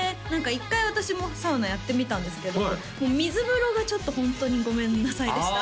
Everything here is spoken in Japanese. １回私もサウナやってみたんですけど水風呂がちょっとホントにごめんなさいでした